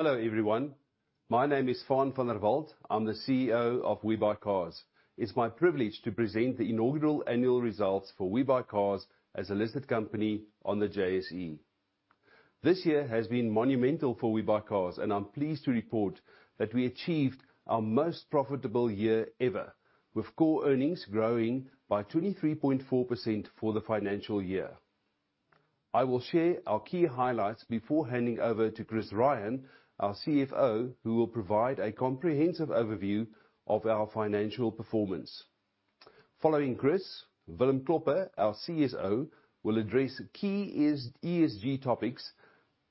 Hello everyone, my name is Faan van der Walt, I'm the CEO of WeBuyCars. It's my privilege to present the inaugural annual results for WeBuyCars as a listed company on the JSE. This year has been monumental for WeBuyCars, and I'm pleased to report that we achieved our most profitable year ever, with core earnings growing by 23.4% for the financial year. I will share our key highlights before handing over to Chris Rein, our CFO, who will provide a comprehensive overview of our financial performance. Following Chris, Willem Klopper, our CSO will address key ESG topics,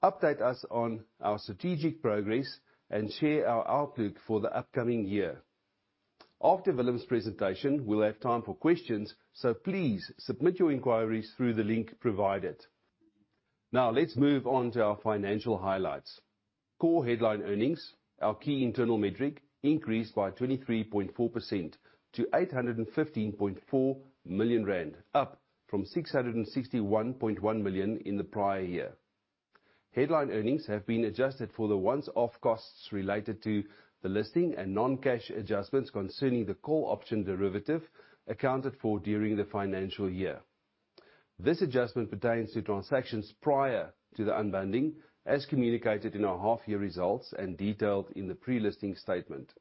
update us on our strategic progress, and share our outlook for the upcoming year. After Willem's presentation, we'll have time for questions, so please submit your inquiries through the link provided. Now let's move on to our financial highlights. Core headline earnings, our key internal metric, increased by 23.4% to 815.4 million rand, up from 661.1 million in the prior year. Headline earnings have been adjusted for the one-off costs related to the listing and non-cash adjustments concerning the call option derivative accounted for during the financial year. This adjustment pertains to transactions prior to the unbundling, as communicated in our half-year results and detailed in the pre-listing statement.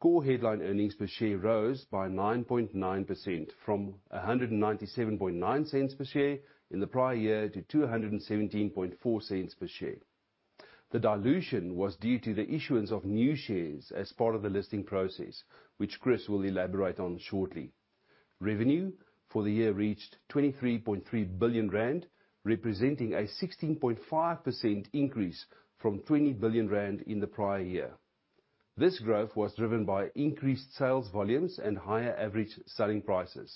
Core headline earnings per share rose by 9.9% from 197.9 per share in the prior year to 217.4 per share. The dilution was due to the issuance of new shares as part of the listing process, which Chris will elaborate on shortly. Revenue for the year reached 23.3 billion rand, representing a 16.5% increase from 20 billion rand in the prior year. This growth was driven by increased sales volumes and higher average selling prices.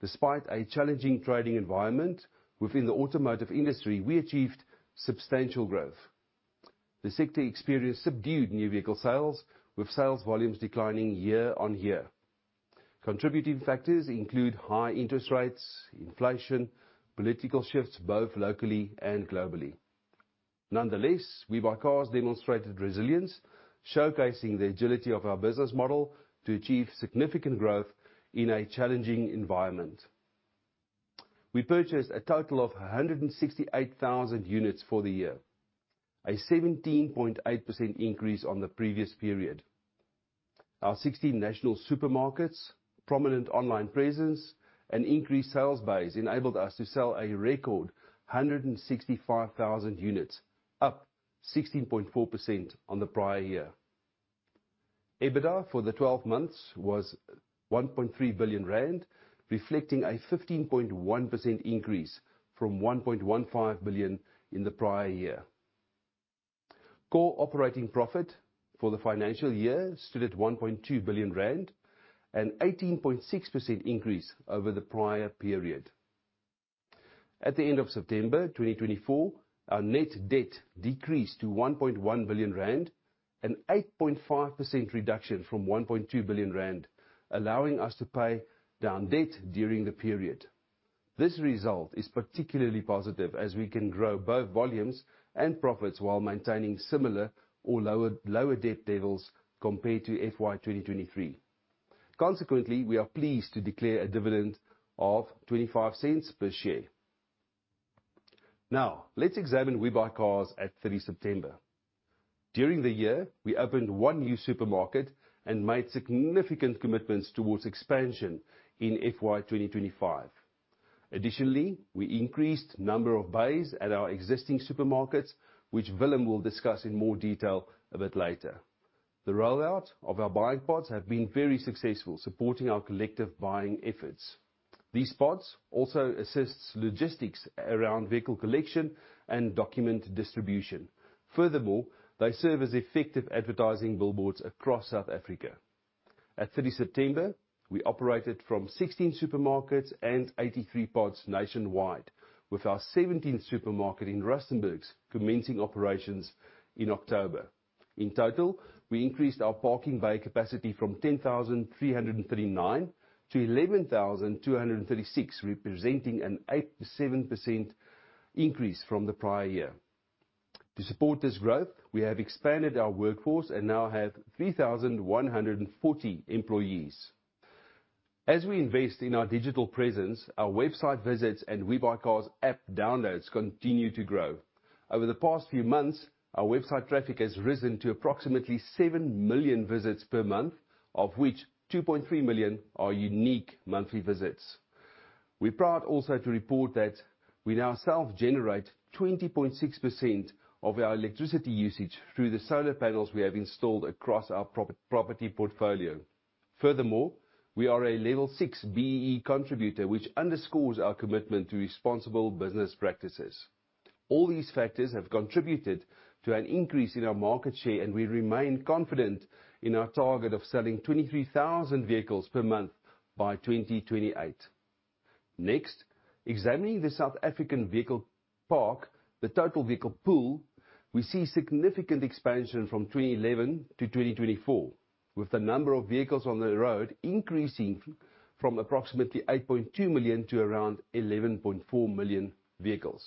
Despite a challenging trading environment within the automotive industry, we achieved substantial growth. The sector experienced subdued new vehicle sales, with sales volumes declining year-on-year. Contributing factors include high interest rates, inflation, and political shifts both locally and globally. Nonetheless, WeBuyCars demonstrated resilience, showcasing the agility of our business model to achieve significant growth in a challenging environment. We purchased a total of 168,000 units for the year, a 17.8% increase on the previous period. Our 16 national supermarkets, prominent online presence, and increased sales base enabled us to sell a record 165,000 units, up 16.4% on the prior year. EBITDA for the 12 months was 1.3 billion rand, reflecting a 15.1% increase from 1.15 billion in the prior year. Core operating profit for the financial year stood at 1.2 billion rand, an 18.6% increase over the prior period. At the end of September 2024, our net debt decreased to 1.1 billion rand, an 8.5% reduction from 1.2 billion rand, allowing us to pay down debt during the period. This result is particularly positive as we can grow both volumes and profits while maintaining similar or lower debt levels compared to FY 2023. Consequently, we are pleased to declare a dividend of 25 per share. Now let's examine WeBuyCars at 30 September. During the year, we opened one new supermarket and made significant commitments towards expansion in FY 2025. Additionally, we increased the number of bays at our existing supermarkets, which Willem will discuss in more detail a bit later. The rollout of our buying pods has been very successful, supporting our collective buying efforts. These pods also assist logistics around vehicle collection and document distribution. Furthermore, they serve as effective advertising billboards across South Africa. At 30 September, we operated from 16 supermarkets and 83 pods nationwide, with our 17th supermarket in Rustenburg commencing operations in October. In total, we increased our parking bay capacity from 10,339 to 11,236, representing an 8.7% increase from the prior year. To support this growth, we have expanded our workforce and now have 3,140 employees. As we invest in our digital presence, our website visits and WeBuyCars app downloads continue to grow. Over the past few months, our website traffic has risen to approximately 7 million visits per month, of which 2.3 million are unique monthly visits. We're proud also to report that we now self-generate 20.6% of our electricity usage through the solar panels we have installed across our property portfolio. Furthermore, we are a level six BEE contributor, which underscores our commitment to responsible business practices. All these factors have contributed to an increase in our market share, and we remain confident in our target of selling 23,000 vehicles per month by 2028. Next, examining the South African vehicle park, the total vehicle pool, we see significant expansion from 2011 to 2024, with the number of vehicles on the road increasing from approximately 8.2 million to around 11.4 million vehicles.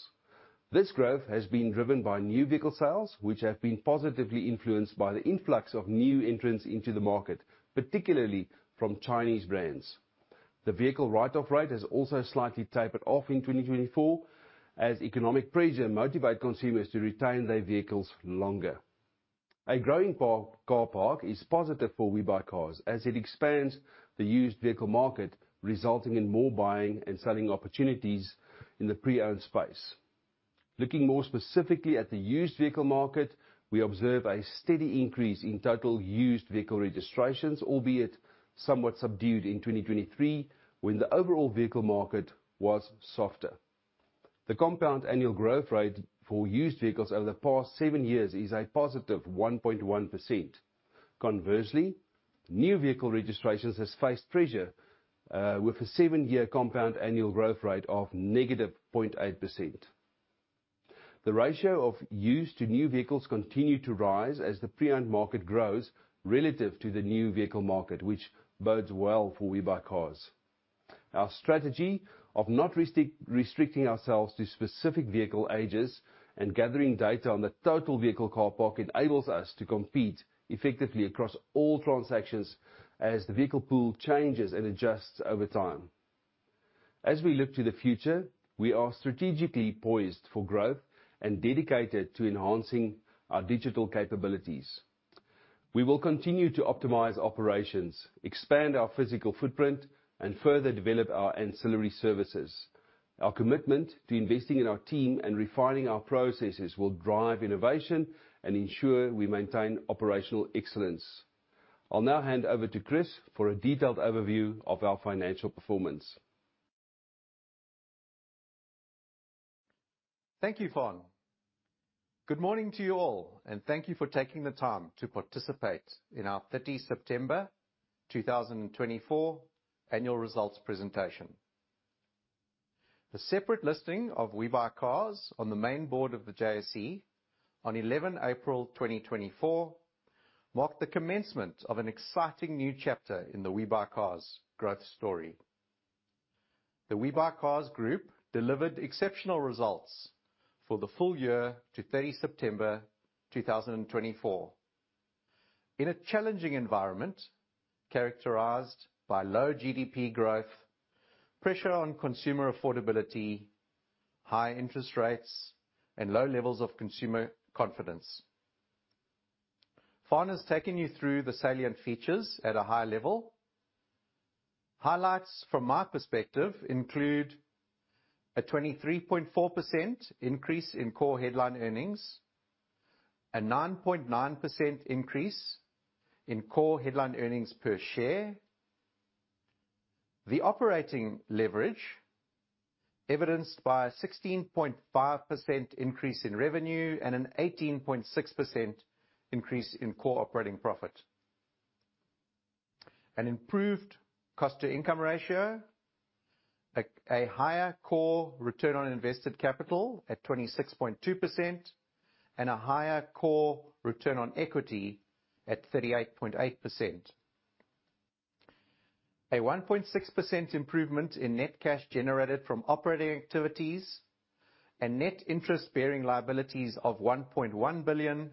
This growth has been driven by new vehicle sales, which have been positively influenced by the influx of new entrants into the market, particularly from Chinese brands. The vehicle write-off rate has also slightly tapered off in 2024, as economic pressure motivated consumers to retain their vehicles longer. A growing car park is positive for WeBuyCars as it expands the used vehicle market, resulting in more buying and selling opportunities in the pre-owned space. Looking more specifically at the used vehicle market, we observe a steady increase in total used vehicle registrations, albeit somewhat subdued in 2023 when the overall vehicle market was softer. The compound annual growth rate for used vehicles over the past seven years is a positive 1.1%. Conversely, new vehicle registrations have faced pressure with a seven-year compound annual growth rate of -0.8%. The ratio of used to new vehicles continues to rise as the pre-owned market grows relative to the new vehicle market, which bodes well for WeBuyCars. Our strategy of not restricting ourselves to specific vehicle ages and gathering data on the total vehicle park enables us to compete effectively across all transactions as the vehicle pool changes and adjusts over time. As we look to the future, we are strategically poised for growth and dedicated to enhancing our digital capabilities. We will continue to optimize operations, expand our physical footprint, and further develop our ancillary services. Our commitment to investing in our team and refining our processes will drive innovation and ensure we maintain operational excellence. I'll now hand over to Chris for a detailed overview of our financial performance. Thank you, Faan. Good morning to you all, and thank you for taking the time to participate in our 30 September 2024 annual results presentation. The separate listing of WeBuyCars on the main board of the JSE on 11 April 2024 marked the commencement of an exciting new chapter in the WeBuyCars growth story. The WeBuyCars group delivered exceptional results for the full year to 30 September 2024 in a challenging environment characterized by low GDP growth, pressure on consumer affordability, high interest rates, and low levels of consumer confidence. Faan has taken you through the salient features at a high level. Highlights from my perspective include a 23.4% increase in core headline earnings, a 9.9% increase in core headline earnings per share, the operating leverage evidenced by a 16.5% increase in revenue and an 18.6% increase in core operating profit, an improved cost-to-income ratio, a higher core return on invested capital at 26.2%, and a higher core return on equity at 38.8%. A 1.6% improvement in net cash generated from operating activities and net interest-bearing liabilities of 1.1 billion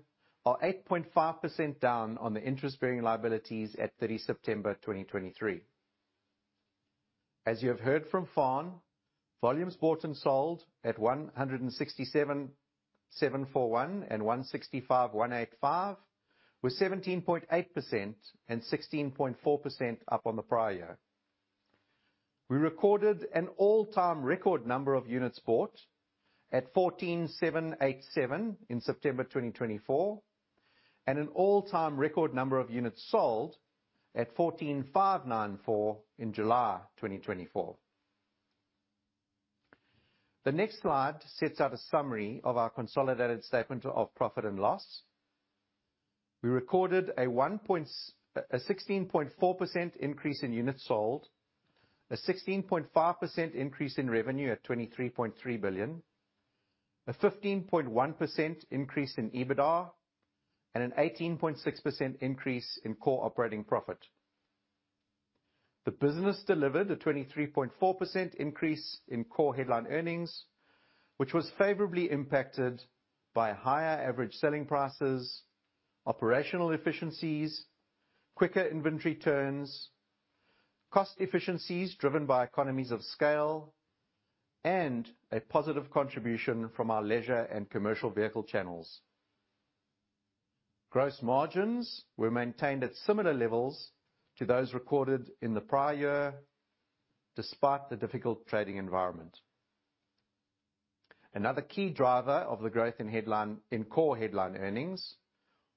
are 8.5% down on the interest-bearing liabilities at 30 September 2023. As you have heard from Faan, volumes bought and sold at 167.741 and 165.185 were 17.8% and 16.4% up on the prior year. We recorded an all-time record number of units bought at 14.787 in September 2024 and an all-time record number of units sold at 14.594 in July 2024. The next slide sets out a summary of our consolidated statement of profit and loss. We recorded a 16.4% increase in units sold, a 16.5% increase in revenue at 23.3 billion, a 15.1% increase in EBITDA, and an 18.6% increase in core operating profit. The business delivered a 23.4% increase in core headline earnings, which was favorably impacted by higher average selling prices, operational efficiencies, quicker inventory turns, cost efficiencies driven by economies of scale, and a positive contribution from our leisure and commercial vehicle channels. Gross margins were maintained at similar levels to those recorded in the prior year despite the difficult trading environment. Another key driver of the growth in core headline earnings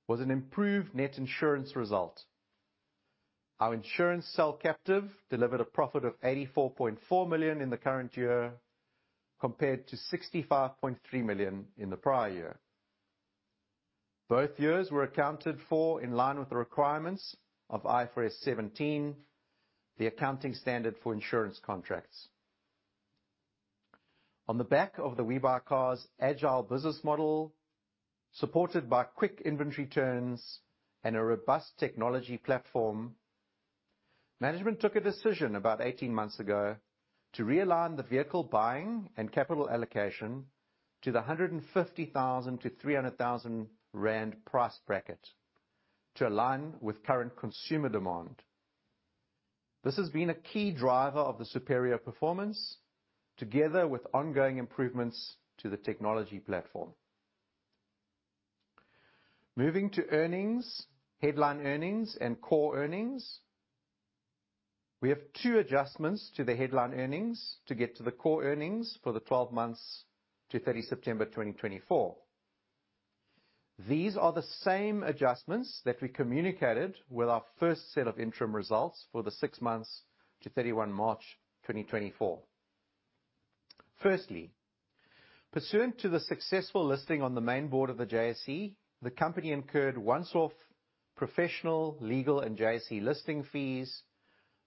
was an improved net insurance result. Our insurance cell captive delivered a profit of 84.4 million in the current year compared to 65.3 million in the prior year. Both years were accounted for in line with the requirements of IFRS 17, the accounting standard for insurance contracts. On the back of the WeBuyCars agile business model, supported by quick inventory turns and a robust technology platform, management took a decision about 18 months ago to realign the vehicle buying and capital allocation to the 150,000-300,000 rand price bracket to align with current consumer demand. This has been a key driver of the superior performance, together with ongoing improvements to the technology platform. Moving to earnings, headline earnings and core earnings, we have two adjustments to the headline earnings to get to the core earnings for the 12 months to 30 September 2024. These are the same adjustments that we communicated with our first set of interim results for the six months to 31 March 2024. Firstly, pursuant to the successful listing on the main board of the JSE, the company incurred one-off professional legal and JSE listing fees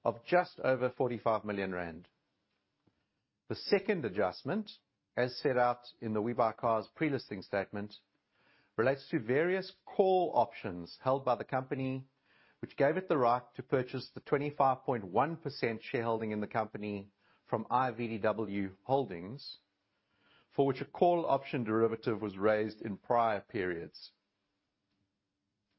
of just over R 45 million. The second adjustment, as set out in the WeBuyCars pre-listing statement, relates to various call options held by the company, which gave it the right to purchase the 25.1% shareholding in the company from IVDW Holdings, for which a call option derivative was raised in prior periods.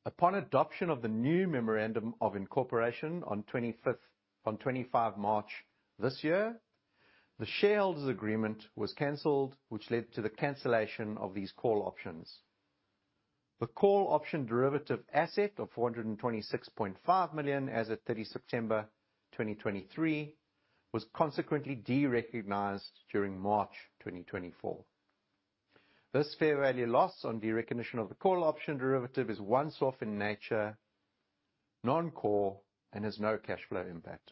Upon adoption of the new memorandum of incorporation on 25 March this year, the shareholders' agreement was canceled, which led to the cancellation of these call options. The call option derivative asset of R 426.5 million as of 30 September 2023 was consequently derecognized during March 2024. This fair value loss on derecognition of the call option derivative is one-off in nature, non-core, and has no cash flow impact.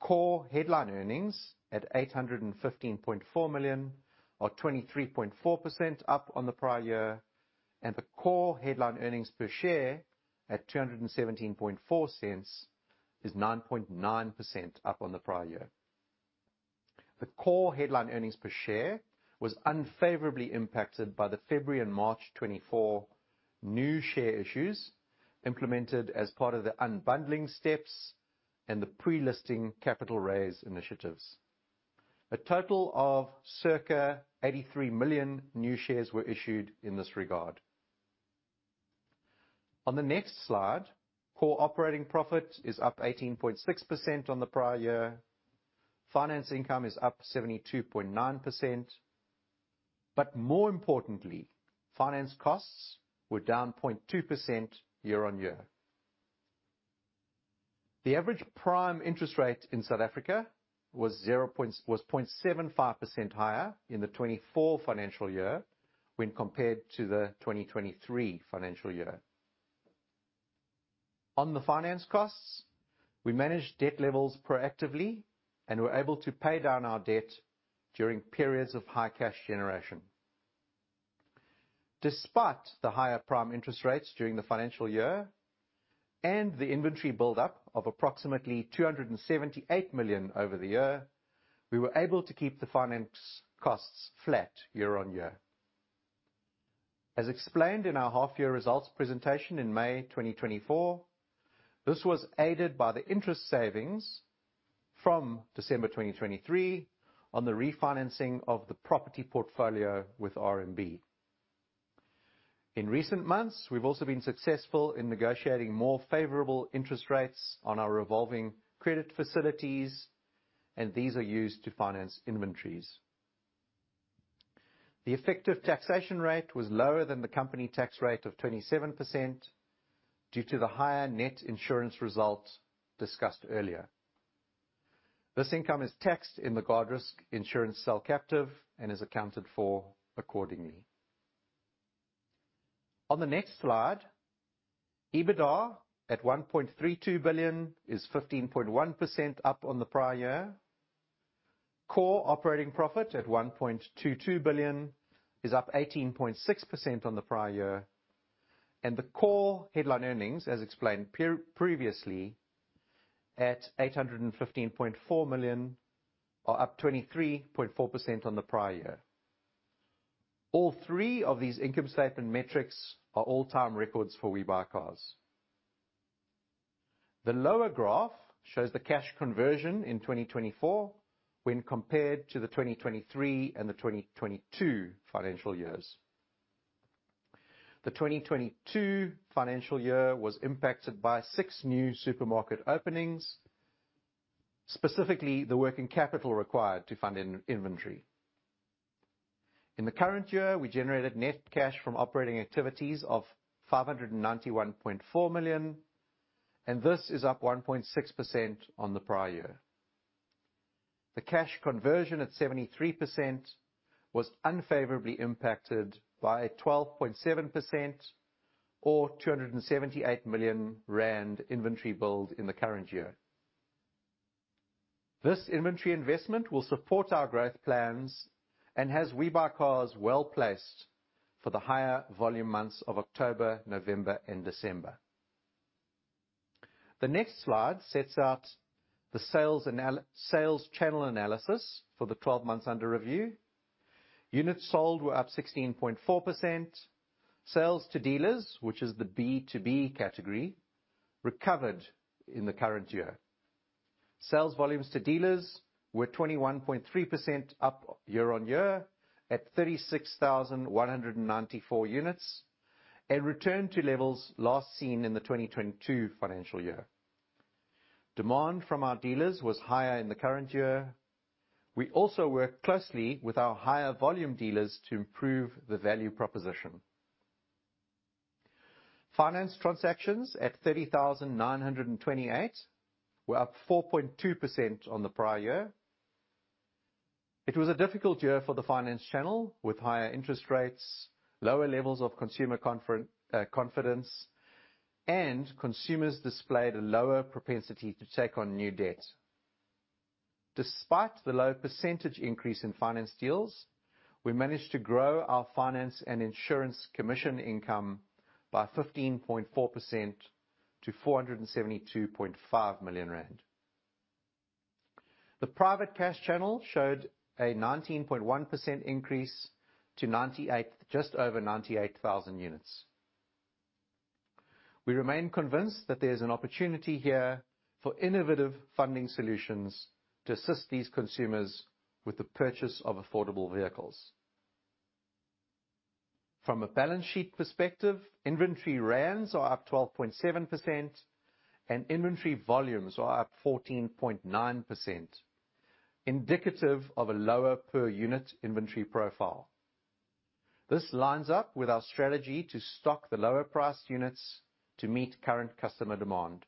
Core headline earnings at 815.4 million are 23.4% up on the prior year, and the core headline earnings per share at 217.4 is 9.9% up on the prior year. The core headline earnings per share was unfavorably impacted by the February and March 2024 new share issues implemented as part of the unbundling steps and the pre-listing capital raise initiatives. A total of circa 83 million new shares were issued in this regard. On the next slide, core operating profit is up 18.6% on the prior year. Finance income is up 72.9%. But more importantly, finance costs were down 0.2% year-on-year. The average prime interest rate in South Africa was 0.75% higher in the 2024 financial year when compared to the 2023 financial year. On the finance costs, we managed debt levels proactively and were able to pay down our debt during periods of high cash generation. Despite the higher prime interest rates during the financial year and the inventory build-up of approximately 278 million over the year, we were able to keep the finance costs flat year-on-year. As explained in our half-year results presentation in May 2024, this was aided by the interest savings from December 2023 on the refinancing of the property portfolio with RMB. In recent months, we've also been successful in negotiating more favorable interest rates on our revolving credit facilities, and these are used to finance inventories. The effective taxation rate was lower than the company tax rate of 27% due to the higher net insurance result discussed earlier. This income is taxed in the Guardrisk insurance cell captive and is accounted for accordingly. On the next slide, EBITDA at 1.32 billion is 15.1% up on the prior year. Core operating profit at 1.22 billion is up 18.6% on the prior year, and the Core Headline Earnings, as explained previously, at 815.4 million are up 23.4% on the prior year. All three of these income statement metrics are all-time records for WeBuyCars. The lower graph shows the cash conversion in 2024 when compared to the 2023 and the 2022 financial years. The 2022 financial year was impacted by six new supermarket openings, specifically the working capital required to fund inventory. In the current year, we generated net cash from operating activities of 591.4 million, and this is up 1.6% on the prior year. The cash conversion at 73% was unfavorably impacted by a 12.7% or 278 million rand inventory build in the current year. This inventory investment will support our growth plans and has WeBuyCars well placed for the higher volume months of October, November, and December. The next slide sets out the sales channel analysis for the 12 months under review. Units sold were up 16.4%. Sales to dealers, which is the B2B category, recovered in the current year. Sales volumes to dealers were 21.3% up year-on-year at 36,194 units and returned to levels last seen in the 2022 financial year. Demand from our dealers was higher in the current year. We also worked closely with our higher volume dealers to improve the value proposition. Finance transactions at 30,928 were up 4.2% on the prior year. It was a difficult year for the finance channel with higher interest rates, lower levels of consumer confidence, and consumers displayed a lower propensity to take on new debt. Despite the low percentage increase in finance deals, we managed to grow our finance and insurance commission income by 15.4% to ZAR 472.5 million. The private cash channel showed a 19.1% increase to just over 98,000 units. We remain convinced that there is an opportunity here for innovative funding solutions to assist these consumers with the purchase of affordable vehicles. From a balance sheet perspective, inventory rands are up 12.7%, and inventory volumes are up 14.9%, indicative of a lower per unit inventory profile. This lines up with our strategy to stock the lower-priced units to meet current customer demand.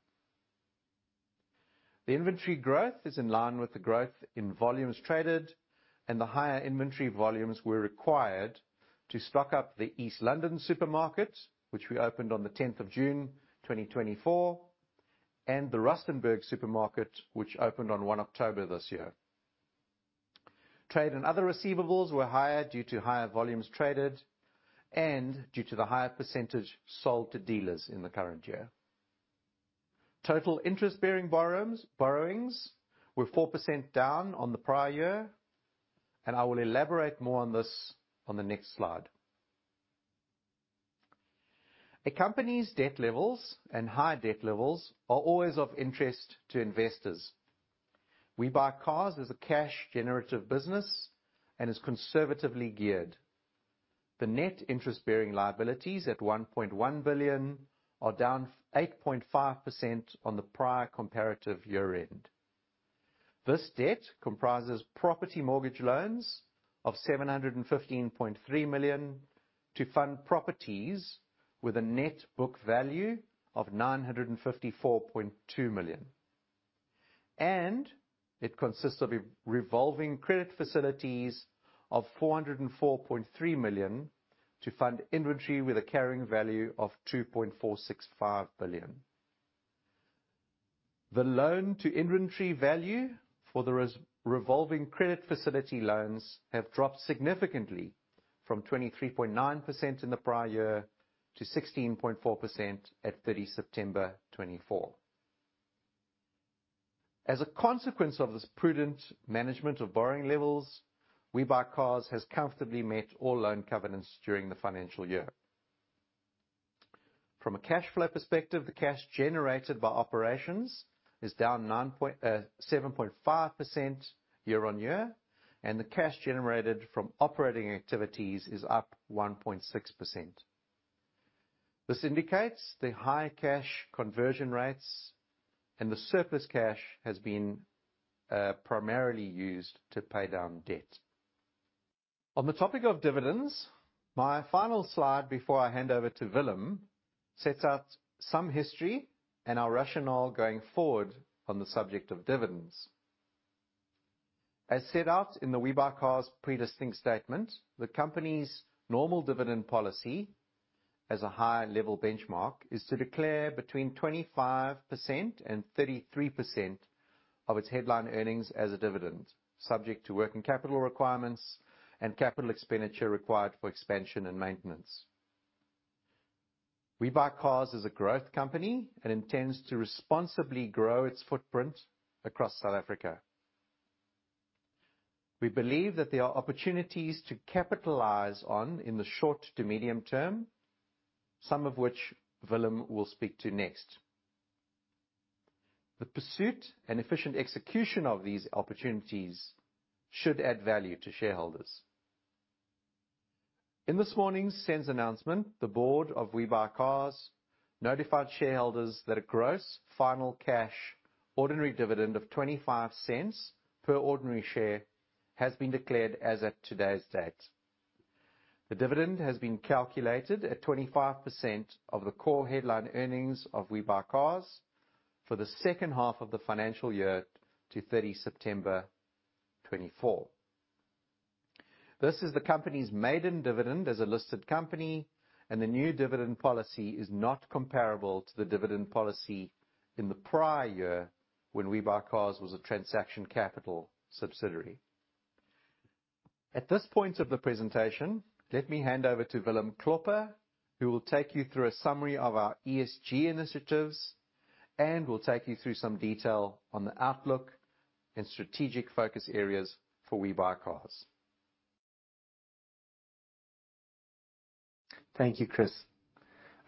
The inventory growth is in line with the growth in volumes traded and the higher inventory volumes we required to stock up the East London supermarket, which we opened on the 10th of June 2024, and the Rustenburg supermarket, which opened on 1 October this year. Trade and other receivables were higher due to higher volumes traded and due to the higher percentage sold to dealers in the current year. Total interest-bearing borrowings were 4% down on the prior year, and I will elaborate more on this on the next slide. A company's debt levels and high debt levels are always of interest to investors. WeBuyCars is a cash-generative business and is conservatively geared. The net interest-bearing liabilities at R 1.1 billion are down 8.5% on the prior comparative year-end. This debt comprises property mortgage loans of R 715.3 million to fund properties with a net book value of R 954.2 million. And it consists of revolving credit facilities of R 404.3 million to fund inventory with a carrying value of R 2.465 billion. The loan-to-inventory value for the revolving credit facility loans has dropped significantly from 23.9% in the prior year to 16.4% at 30 September 2024. As a consequence of this prudent management of borrowing levels, WeBuyCars has comfortably met all loan covenants during the financial year. From a cash flow perspective, the cash generated by operations is down 7.5% year-on-year, and the cash generated from operating activities is up 1.6%. This indicates the high cash conversion rates, and the surplus cash has been primarily used to pay down debt. On the topic of dividends, my final slide before I hand over to Willem sets out some history and our rationale going forward on the subject of dividends. As set out in the WeBuyCars pre-listing statement, the company's normal dividend policy, as a high-level benchmark, is to declare between 25% and 33% of its headline earnings as a dividend, subject to working capital requirements and capital expenditure required for expansion and maintenance. WeBuyCars is a growth company and intends to responsibly grow its footprint across South Africa. We believe that there are opportunities to capitalize on in the short to medium term, some of which Willem will speak to next. The pursuit and efficient execution of these opportunities should add value to shareholders. In this morning's SENS announcement, the board of WeBuyCars notified shareholders that a gross final cash ordinary dividend of 25 per ordinary share has been declared as of today's date. The dividend has been calculated at 25% of the core headline earnings of WeBuyCars for the second half of the financial year to 30 September 2024. This is the company's maiden dividend as a listed company, and the new dividend policy is not comparable to the dividend policy in the prior year when WeBuyCars was a Transaction Capital subsidiary. At this point of the presentation, let me hand over to Willem Klopper who will take you through a summary of our ESG initiatives and will take you through some detail on the outlook and strategic focus areas for WeBuyCars. Thank you, Chris.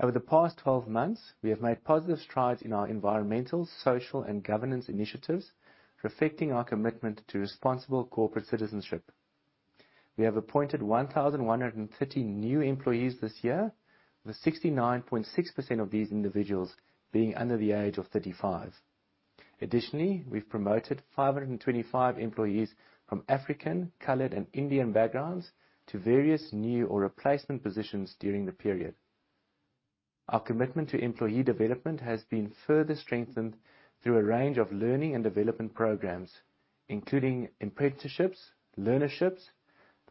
Over the past 12 months, we have made positive strides in our environmental, social, and governance initiatives reflecting our commitment to responsible corporate citizenship. We have appointed 1,130 new employees this year, with 69.6% of these individuals being under the age of 35. Additionally, we've promoted 525 employees from African, Coloured, and Indian backgrounds to various new or replacement positions during the period. Our commitment to employee development has been further strengthened through a range of learning and development programs, including apprenticeships, learnerships,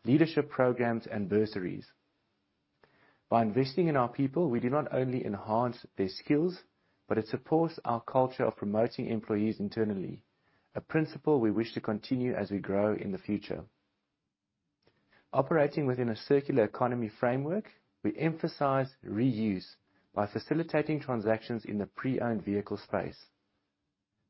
leadership programs, and bursaries. By investing in our people, we do not only enhance their skills, but it supports our culture of promoting employees internally, a principle we wish to continue as we grow in the future. Operating within a circular economy framework, we emphasize reuse by facilitating transactions in the pre-owned vehicle space.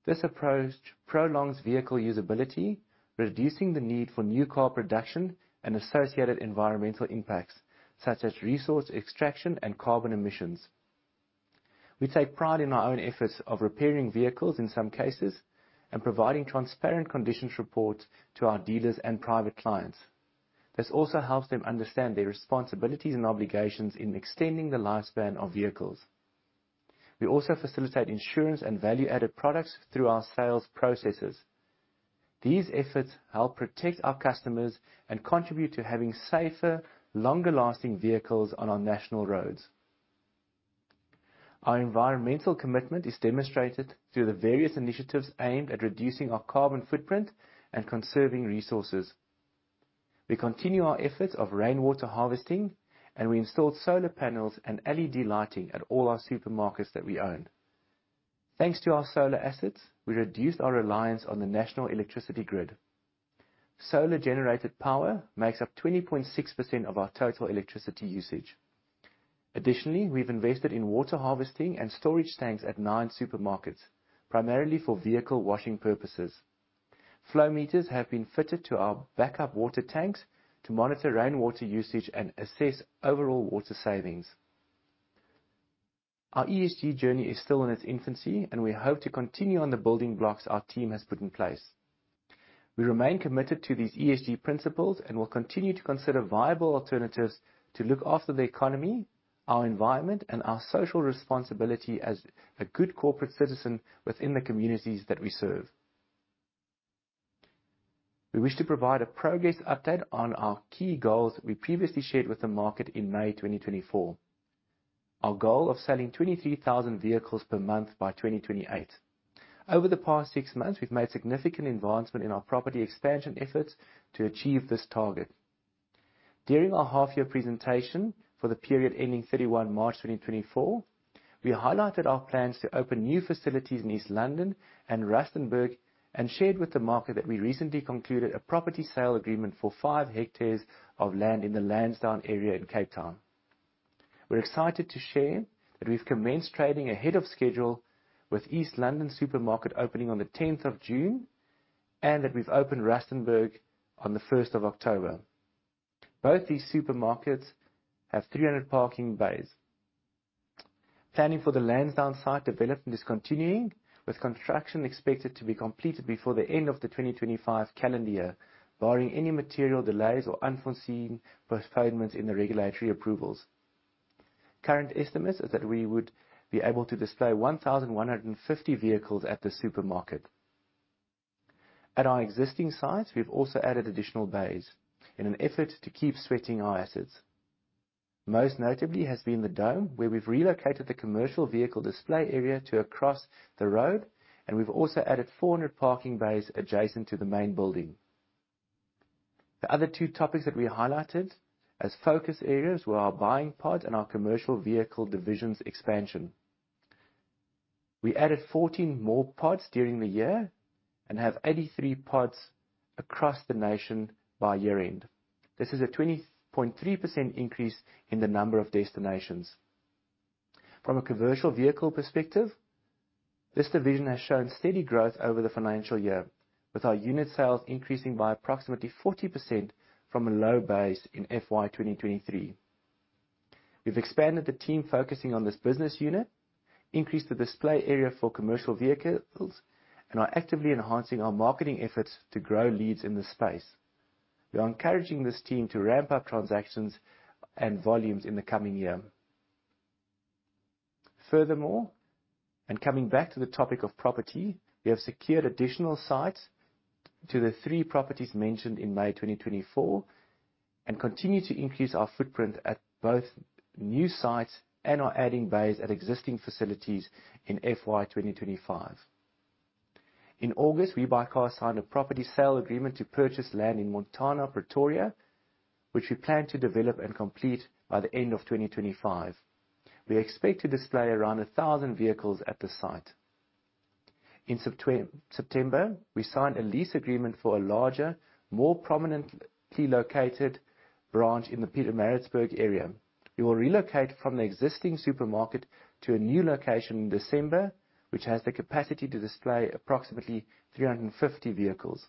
This approach prolongs vehicle usability, reducing the need for new car production and associated environmental impacts such as resource extraction and carbon emissions. We take pride in our own efforts of repairing vehicles in some cases and providing transparent conditions reports to our dealers and private clients. This also helps them understand their responsibilities and obligations in extending the lifespan of vehicles. We also facilitate insurance and value-added products through our sales processes. These efforts help protect our customers and contribute to having safer, longer-lasting vehicles on our national roads. Our environmental commitment is demonstrated through the various initiatives aimed at reducing our carbon footprint and conserving resources. We continue our efforts of rainwater harvesting, and we installed solar panels and LED lighting at all our supermarkets that we own. Thanks to our solar assets, we reduced our reliance on the national electricity grid. Solar-generated power makes up 20.6% of our total electricity usage. Additionally, we've invested in water harvesting and storage tanks at nine supermarkets, primarily for vehicle washing purposes. Flow meters have been fitted to our backup water tanks to monitor rainwater usage and assess overall water savings. Our ESG journey is still in its infancy, and we hope to continue on the building blocks our team has put in place. We remain committed to these ESG principles and will continue to consider viable alternatives to look after the economy, our environment, and our social responsibility as a good corporate citizen within the communities that we serve. We wish to provide a progress update on our key goals we previously shared with the market in May 2024. Our goal is selling 23,000 vehicles per month by 2028. Over the past six months, we've made significant advancements in our property expansion efforts to achieve this target. During our half-year presentation for the period ending 31 March 2024, we highlighted our plans to open new facilities in East London and Rustenburg and shared with the market that we recently concluded a property sale agreement for five hectares of land in the Lansdowne area in Cape Town. We're excited to share that we've commenced trading ahead of schedule with East London supermarket opening on the 10th of June and that we've opened Rustenburg on the 1st of October. Both these supermarkets have 300 parking bays. Planning for the Lansdowne site development is continuing, with construction expected to be completed before the end of the 2025 calendar year, barring any material delays or unforeseen postponements in the regulatory approvals. Current estimates are that we would be able to display 1,150 vehicles at the supermarket. At our existing sites, we've also added additional bays in an effort to keep sweating our assets. Most notably has been the Dome, where we've relocated the commercial vehicle display area to across the road, and we've also added 400 parking bays adjacent to the main building. The other two topics that we highlighted as focus areas were our buying pods and our commercial vehicle divisions expansion. We added 14 more pods during the year and have 83 pods across the nation by year-end. This is a 20.3% increase in the number of destinations. From a commercial vehicle perspective, this division has shown steady growth over the financial year, with our unit sales increasing by approximately 40% from a low base in FY 2023. We've expanded the team focusing on this business unit, increased the display area for commercial vehicles, and are actively enhancing our marketing efforts to grow leads in this space. We are encouraging this team to ramp up transactions and volumes in the coming year. Furthermore, and coming back to the topic of property, we have secured additional sites to the three properties mentioned in May 2024 and continue to increase our footprint at both new sites and our adding bays at existing facilities in FY 2025. In August, WeBuyCars signed a property sale agreement to purchase land in Montana, Pretoria, which we plan to develop and complete by the end of 2025. We expect to display around 1,000 vehicles at the site. In September, we signed a lease agreement for a larger, more prominently located branch in the Pietermaritzburg area. We will relocate from the existing supermarket to a new location in December, which has the capacity to display approximately 350 vehicles.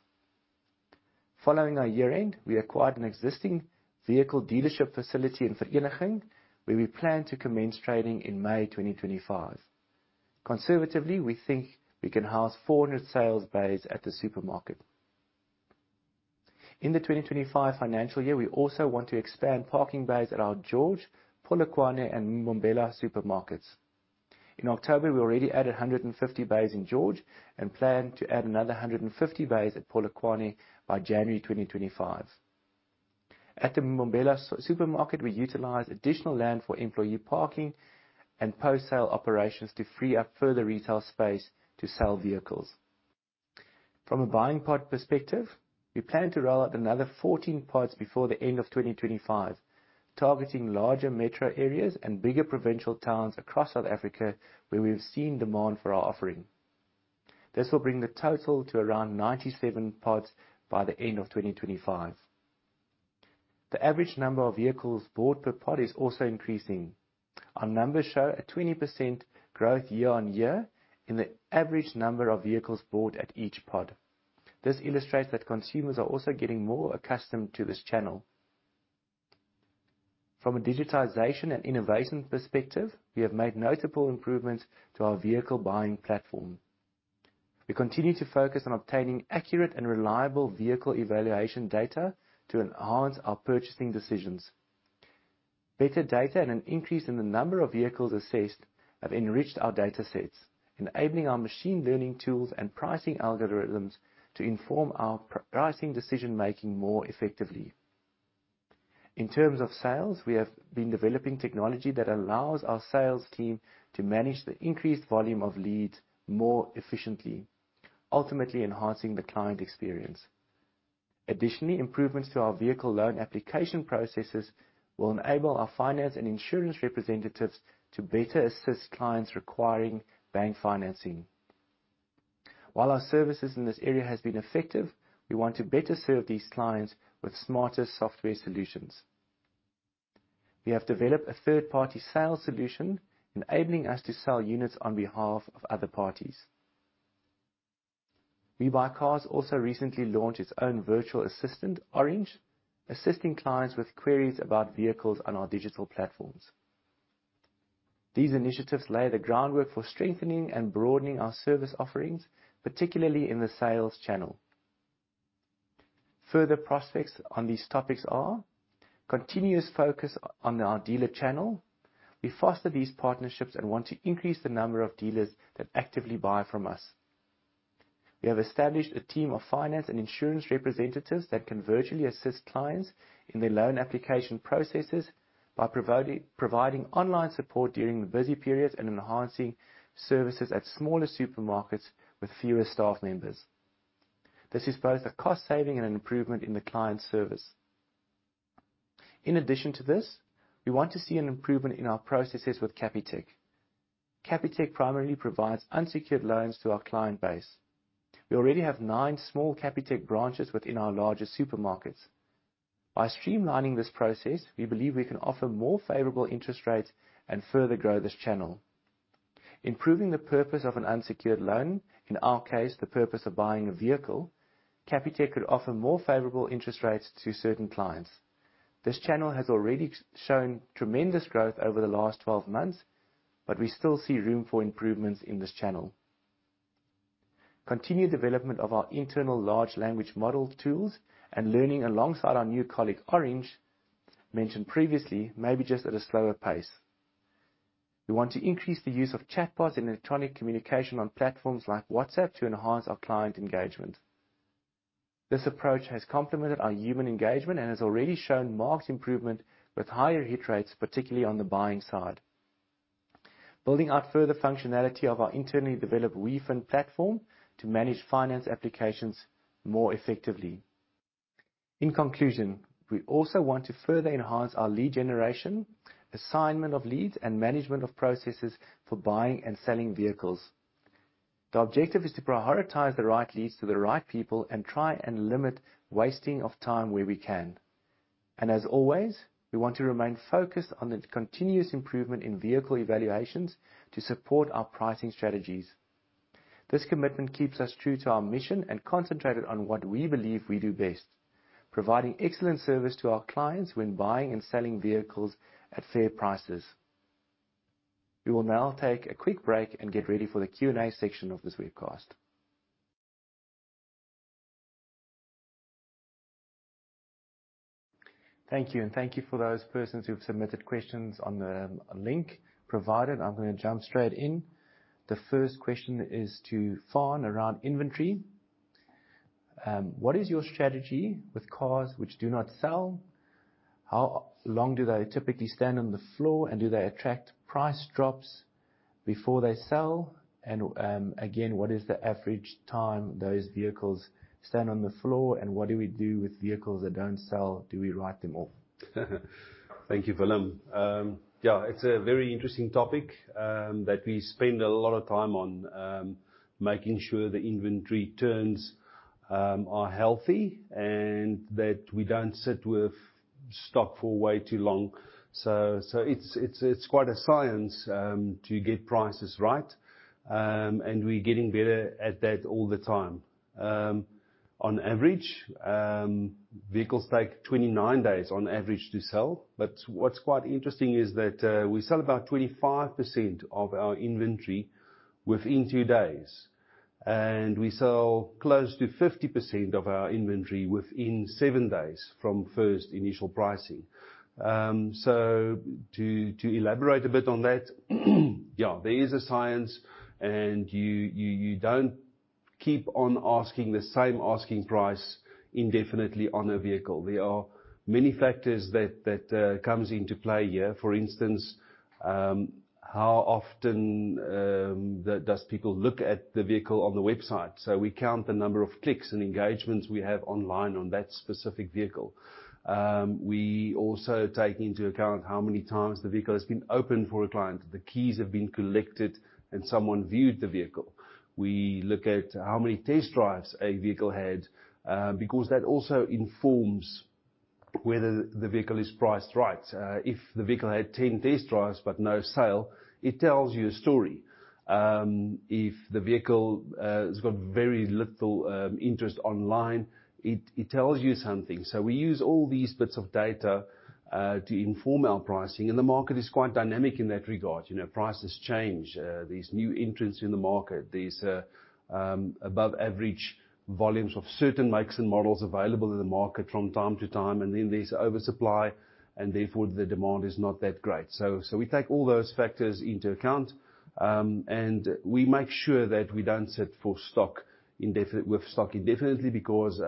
Following our year-end, we acquired an existing vehicle dealership facility in Vereeniging, where we plan to commence trading in May 2025. Conservatively, we think we can house 400 sales bays at the supermarket. In the 2025 financial year, we also want to expand parking bays at our George, Polokwane, and Mbombela supermarkets. In October, we already added 150 bays in George and plan to add another 150 bays at Polokwane by January 2025. At the Mbombela supermarket, we utilize additional land for employee parking and post-sale operations to free up further retail space to sell vehicles. From a buying pod perspective, we plan to roll out another 14 pods before the end of 2025, targeting larger metro areas and bigger provincial towns across South Africa, where we've seen demand for our offering. This will bring the total to around 97 pods by the end of 2025. The average number of vehicles bought per pod is also increasing. Our numbers show a 20% growth year-on-year in the average number of vehicles bought at each pod. This illustrates that consumers are also getting more accustomed to this channel. From a digitization and innovation perspective, we have made notable improvements to our vehicle buying platform. We continue to focus on obtaining accurate and reliable vehicle evaluation data to enhance our purchasing decisions. Better data and an increase in the number of vehicles assessed have enriched our data sets, enabling our machine learning tools and pricing algorithms to inform our pricing decision-making more effectively. In terms of sales, we have been developing technology that allows our sales team to manage the increased volume of leads more efficiently, ultimately enhancing the client experience. Additionally, improvements to our vehicle loan application processes will enable our finance and insurance representatives to better assist clients requiring bank financing. While our services in this area have been effective, we want to better serve these clients with smarter software solutions. We have developed a third-party sales solution enabling us to sell units on behalf of other parties. WeBuyCars also recently launched its own virtual assistant, Orange, assisting clients with queries about vehicles on our digital platforms. These initiatives lay the groundwork for strengthening and broadening our service offerings, particularly in the sales channel. Further prospects on these topics are continuous focus on our dealer channel. We foster these partnerships and want to increase the number of dealers that actively buy from us. We have established a team of finance and insurance representatives that can virtually assist clients in their loan application processes by providing online support during the busy periods and enhancing services at smaller supermarkets with fewer staff members. This is both a cost saving and an improvement in the client service. In addition to this, we want to see an improvement in our processes with Capitec. Capitec primarily provides unsecured loans to our client base. We already have nine small Capitec branches within our larger supermarkets. By streamlining this process, we believe we can offer more favorable interest rates and further grow this channel. Improving the purpose of an unsecured loan, in our case, the purpose of buying a vehicle, Capitec could offer more favorable interest rates to certain clients. This channel has already shown tremendous growth over the last 12 months, but we still see room for improvements in this channel. Continued development of our internal large language model tools and learning alongside our new colleague Orange, mentioned previously, may be just at a slower pace. We want to increase the use of chatbots and electronic communication on platforms like WhatsApp to enhance our client engagement. This approach has complemented our human engagement and has already shown marked improvement with higher hit rates, particularly on the buying side. Building out further functionality of our internally developed WeFund platform to manage finance applications more effectively. In conclusion, we also want to further enhance our lead generation, assignment of leads, and management of processes for buying and selling vehicles. The objective is to prioritize the right leads to the right people and try and limit wasting of time where we can. And as always, we want to remain focused on the continuous improvement in vehicle evaluations to support our pricing strategies. This commitment keeps us true to our mission and concentrated on what we believe we do best, providing excellent service to our clients when buying and selling vehicles at fair prices. We will now take a quick break and get ready for the Q&A section of this webcast. Thank you, and thank you for those persons who have submitted questions on the link provided. I'm going to jump straight in. The first question is to Faan around inventory. What is your strategy with cars which do not sell? How long do they typically stand on the floor, and do they attract price drops before they sell? And again, what is the average time those vehicles stand on the floor, and what do we do with vehicles that don't sell? Do we write them off? Thank you, Willem. Yeah, it's a very interesting topic that we spend a lot of time on making sure the inventory turns are healthy and that we don't sit with stock for way too long. So it's quite a science to get prices right, and we're getting better at that all the time. On average, vehicles take 29 days on average to sell, but what's quite interesting is that we sell about 25% of our inventory within two days, and we sell close to 50% of our inventory within seven days from first initial pricing. So to elaborate a bit on that, yeah, there is a science, and you don't keep on asking the same asking price indefinitely on a vehicle. There are many factors that come into play here. For instance, how often do people look at the vehicle on the website? So we count the number of clicks and engagements we have online on that specific vehicle. We also take into account how many times the vehicle has been opened for a client, the keys have been collected, and someone viewed the vehicle. We look at how many test drives a vehicle had because that also informs whether the vehicle is priced right. If the vehicle had 10 test drives but no sale, it tells you a story. If the vehicle has got very little interest online, it tells you something. So we use all these bits of data to inform our pricing, and the market is quite dynamic in that regard. Prices change, these new entrants in the market, these above-average volumes of certain makes and models available in the market from time to time, and then there's oversupply, and therefore the demand is not that great. We take all those factors into account, and we make sure that we don't sit with full stock indefinitely because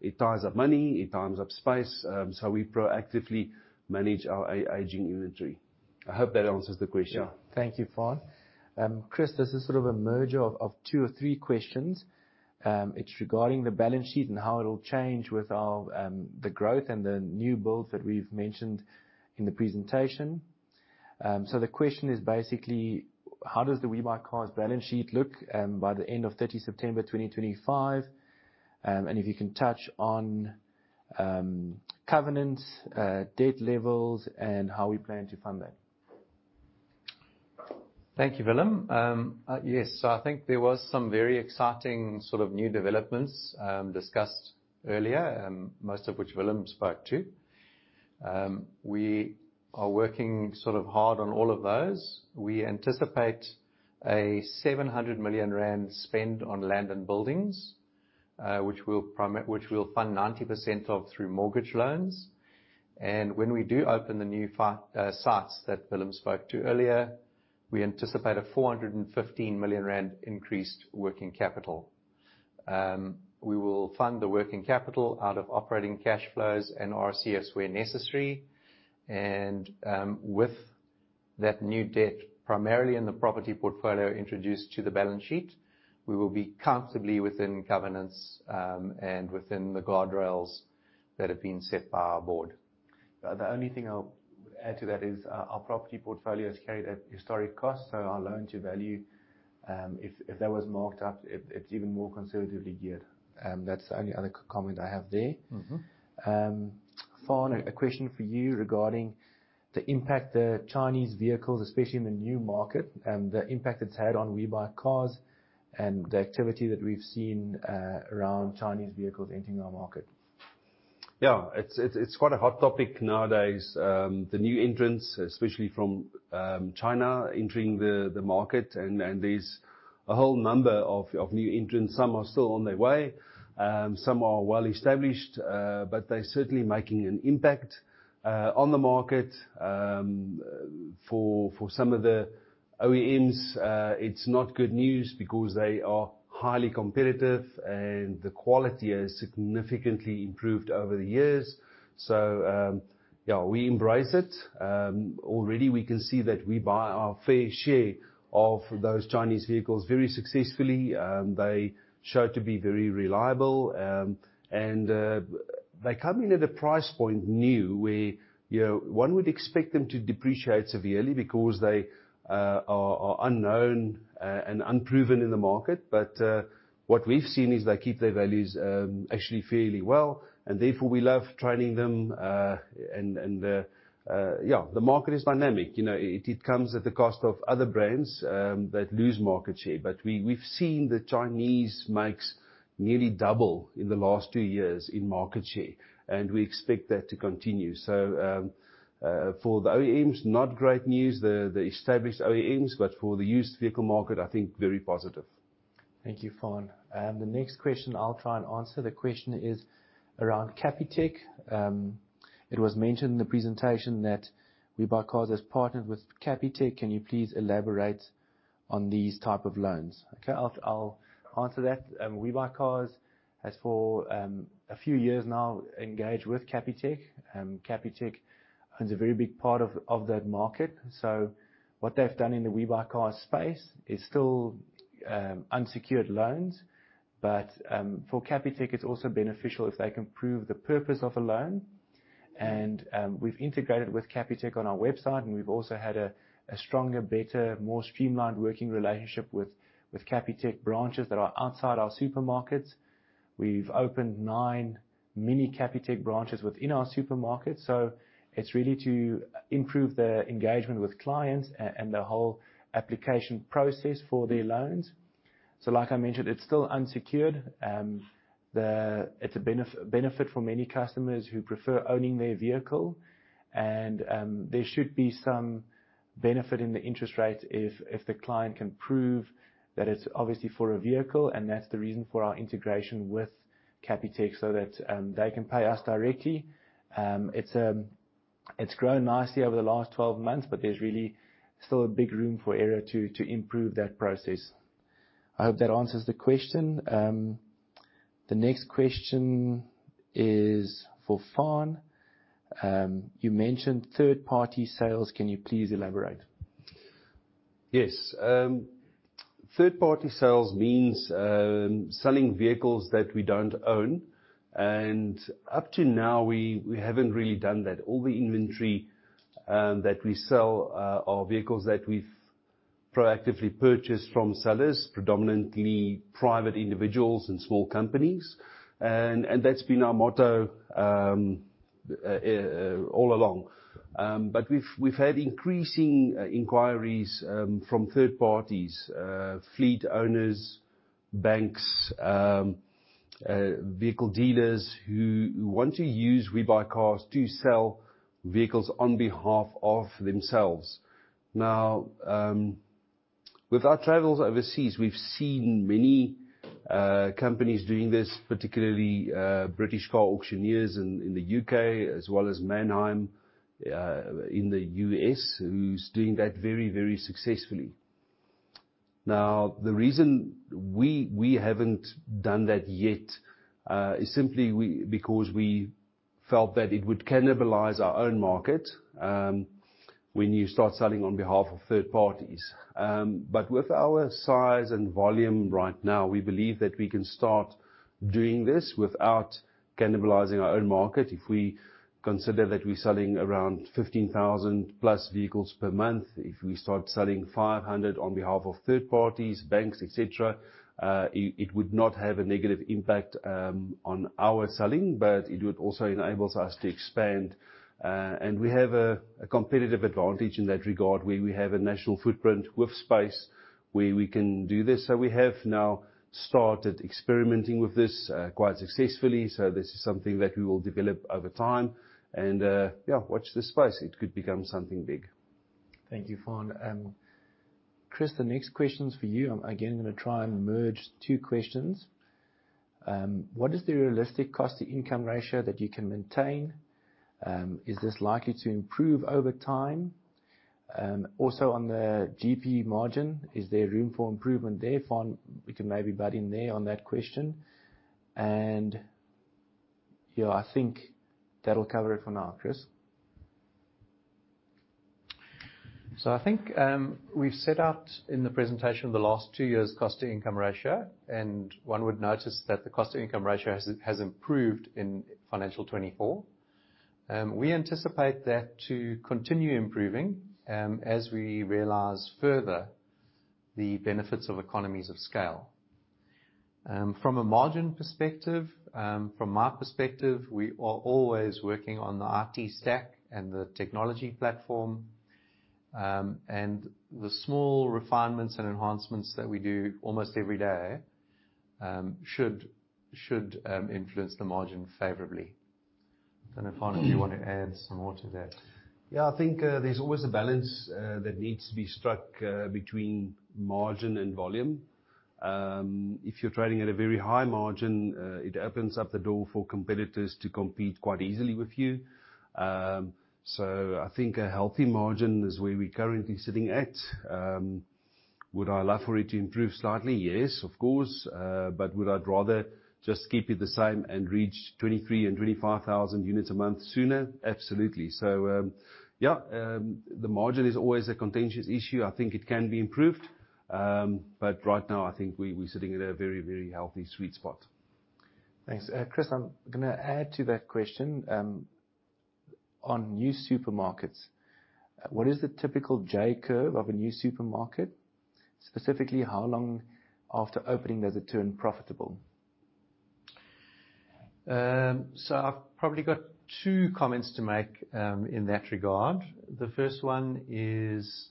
it ties up money, it ties up space. We proactively manage our aging inventory. I hope that answers the question. Yeah, thank you, Faan. Chris, this is sort of a merger of two or three questions. It's regarding the balance sheet and how it'll change with the growth and the new builds that we've mentioned in the presentation. So the question is basically, how does the WeBuyCars balance sheet look by the end of 30 September 2025? And if you can touch on covenants, debt levels, and how we plan to fund that. Thank you, Willem. Yes, so I think there were some very exciting sort of new developments discussed earlier, most of which Willem spoke to. We are working sort of hard on all of those. We anticipate a R700 million spend on land and buildings, which we'll fund 90% of through mortgage loans. When we do open the new sites that Willem spoke to earlier, we anticipate a R415 million increased working capital. We will fund the working capital out of operating cash flows and RCS where necessary. With that new debt, primarily in the property portfolio introduced to the balance sheet, we will be comfortably within covenants and within the guardrails that have been set by our board. The only thing I would add to that is our property portfolio has carried a historic cost, so our loan-to-value, if that was marked up, it's even more conservatively geared. That's the only other comment I have there. Faan, a question for you regarding the impact that Chinese vehicles, especially in the new market, the impact it's had on WeBuyCars and the activity that we've seen around Chinese vehicles entering our m arket. Yeah, it's quite a hot topic nowadays. The new entrants, especially from China, are entering the market, and there's a whole number of new entrants. Some are still on their way. Some are well-established, but they're certainly making an impact on the market. For some of the OEMs, it's not good news because they are highly competitive, and the quality has significantly improved over the years. So yeah, we embrace it. Already, we can see that we buy our fair share of those Chinese vehicles very successfully. They show to be very reliable, and they come in at a price point new where one would expect them to depreciate severely because they are unknown and unproven in the market. But what we've seen is they keep their values actually fairly well, and therefore we love trading them. And yeah, the market is dynamic. It comes at the cost of other brands that lose market share, but we've seen the Chinese makes nearly double in the last two years in market share, and we expect that to continue. So for the OEMs, not great news, the established OEMs, but for the used vehicle market, I think very positive. Thank you, Faan. The next question I'll try and answer. The question is around Capitec. It was mentioned in the presentation that We Buy Cars has partnered with Capitec. Can you please elaborate on these types of loans? Okay, I'll answer that. WeBuyCars has, for a few years now, engaged with Capitec. Capitec owns a very big part of that market. So what they've done in the WeBuyCars space is still unsecured loans, but for Capitec, it's also beneficial if they can prove the purpose of a loan. And we've integrated with Capitec on our website, and we've also had a stronger, better, more streamlined working relationship with Capitec branches that are outside our supermarkets. We've opened nine mini Capitec branches within our supermarket. So it's really to improve the engagement with clients and the whole application process for their loans. So like I mentioned, it's still unsecured. It's a benefit for many customers who prefer owning their vehicle, and there should be some benefit in the interest rate if the client can prove that it's obviously for a vehicle, and that's the reason for our integration with Capitec so that they can pay us directly. It's grown nicely over the last 12 months, but there's really still a big room for error to improve that process. I hope that answers the question. The next question is for Faan. You mentioned third-party sales. Can you please elaborate? Yes. Third-party sales means selling vehicles that we don't own. And up to now, we haven't really done that. All the inventory that we sell are vehicles that we've proactively purchased from sellers, predominantly private individuals and small companies. And that's been our motto all along. But we've had increasing inquiries from third parties, fleet owners, banks, vehicle dealers who want to use WeBuyCars to sell vehicles on behalf of themselves. Now, with our travels overseas, we've seen many companies doing this, particularly British car auctioneers in the U.K., as well as Manheim in the U.S., who's doing that very, very successfully. Now, the reason we haven't done that yet is simply because we felt that it would cannibalize our own market when you start selling on behalf of third parties. But with our size and volume right now, we believe that we can start doing this without cannibalizing our own market. If we consider that we're selling around 15,000 plus vehicles per month, if we start selling 500 on behalf of third parties, banks, etc., it would not have a negative impact on our selling, but it would also enable us to expand. We have a competitive advantage in that regard where we have a national footprint with space where we can do this. So we have now started experimenting with this quite successfully. So this is something that we will develop over time. And yeah, watch the space. It could become something big. Thank you, Faan. Chris, the next question's for you. I'm again going to try and merge two questions. What is the realistic cost-to-income ratio that you can maintain? Is this likely to improve over time? Also on the GP margin, is there room for improvement there? Faan, we can maybe butt in there on that question. And yeah, I think that'll cover it for now, Chris. So I think we've set out in the presentation the last two years' cost-to-income ratio, and one would notice that the cost-to-income ratio has improved in financial 2024. We anticipate that to continue improving as we realize further the benefits of economies of scale. From a margin perspective, from my perspective, we are always working on the IT stack and the technology platform, and the small refinements and enhancements that we do almost every day should influence the margin favorably. I don't know, Faan, if you want to add some more to that. Yeah, I think there's always a balance that needs to be struck between margin and volume. If you're trading at a very high margin, it opens up the door for competitors to compete quite easily with you. So I think a healthy margin is where we're currently sitting at. Would I love for it to improve slightly? Yes, of course. But would I rather just keep it the same and reach 23 and 25 thousand units a month sooner? Absolutely. So yeah, the margin is always a contentious issue. I think it can be improved, but right now, I think we're sitting at a very, very healthy sweet spot. Thanks. Chris, I'm going to add to that question. On new supermarkets, what is the typical J-curve of a new supermarket? Specifically, how long after opening does it turn profitable? So I've probably got two comments to make in that regard. The first one is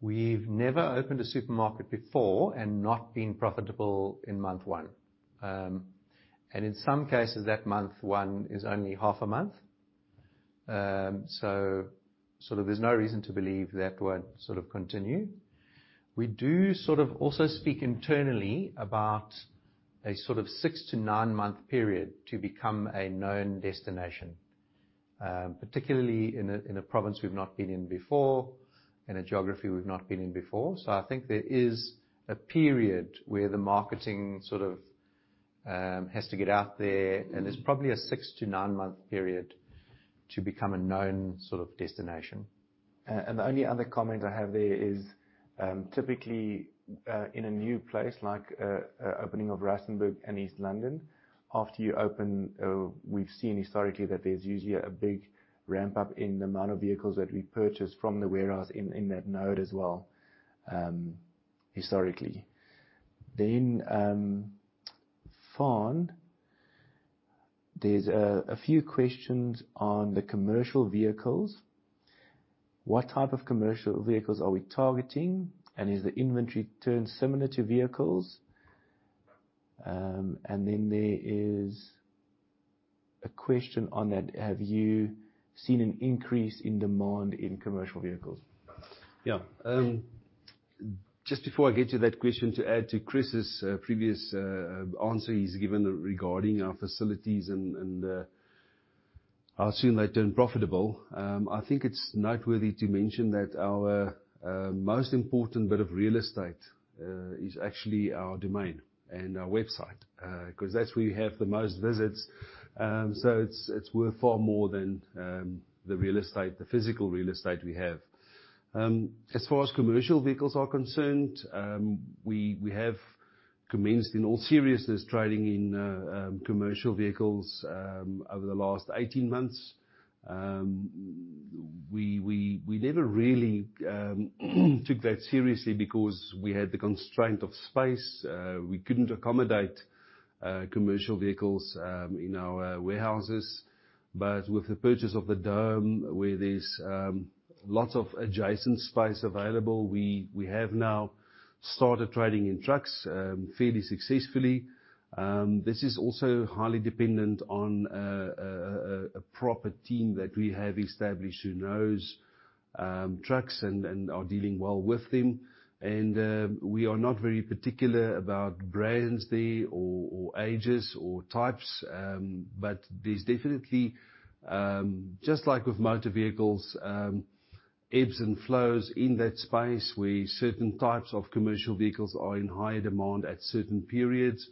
we've never opened a supermarket before and not been profitable in month one. And in some cases, that month one is only half a month. So sort of there's no reason to believe that won't sort of continue. We do sort of also speak internally about a sort of six to nine-month period to become a known destination, particularly in a province we've not been in before, in a geography we've not been in before. So I think there is a period where the marketing sort of has to get out there, and there's probably a six- to nine-month period to become a known sort of destination. And the only other comment I have there is typically in a new place like opening of Rustenburg and East London, after you open, we've seen historically that there's usually a big ramp-up in the amount of vehicles that we purchase from the warehouse in that node as well, historically. Then, Faan, there's a few questions on the commercial vehicles. What type of commercial vehicles are we targeting, and is the inventory turnover similar to vehicles? And then there is a question on that, have you seen an increase in demand in commercial vehicles? Yeah. Just before I get to that question, to add to Chris's previous answer he's given regarding our facilities and how soon they turn profitable, I think it's noteworthy to mention that our most important bit of real estate is actually our domain and our website because that's where you have the most visits. So it's worth far more than the real estate, the physical real estate we have. As far as commercial vehicles are concerned, we have commenced in all seriousness trading in commercial vehicles over the last 18 months. We never really took that seriously because we had the constraint of space. We couldn't accommodate commercial vehicles in our warehouses. But with the purchase of the Dome, where there's lots of adjacent space available, we have now started trading in trucks fairly successfully. This is also highly dependent on a proper team that we have established who knows trucks and are dealing well with them. And we are not very particular about brands there or ages or types, but there's definitely, just like with motor vehicles, ebbs and flows in that space where certain types of commercial vehicles are in higher demand at certain periods,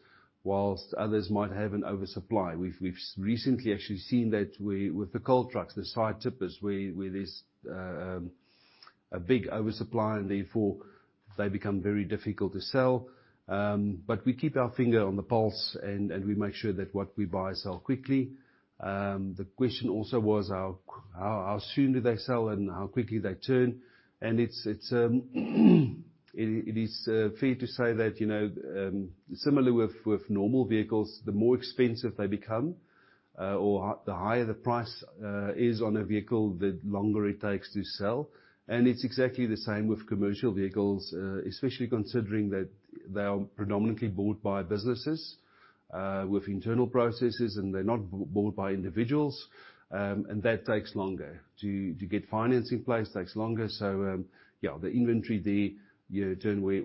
whilst others might have an oversupply. We've recently actually seen that with the coal trucks, the side tippers, where there's a big oversupply, and therefore they become very difficult to sell. But we keep our finger on the pulse, and we make sure that what we buy sells quickly. The question also was, how soon do they sell and how quickly they turn? It is fair to say that, similarly with normal vehicles, the more expensive they become or the higher the price is on a vehicle, the longer it takes to sell. And it's exactly the same with commercial vehicles, especially considering that they are predominantly bought by businesses with internal processes, and they're not bought by individuals. And that takes longer to get financing in place, takes longer. So yeah, the inventory there,